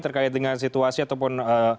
terkait dengan situasi ataupun